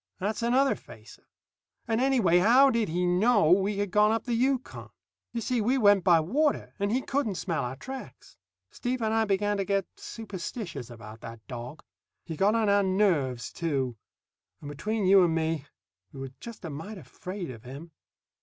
That's another facer. And anyway, how did he know we had gone up the Yukon? You see, we went by water, and he couldn't smell our tracks. Steve and I began to get superstitious about that dog. He got on our nerves, too; and, between you and me, we were just a mite afraid of him.